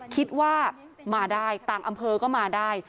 คิดว่ามาได้ต่างอำเภอก็มาได้